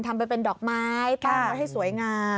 ทำไปเป็นดอกไม้ตั้งไว้ให้สวยงาม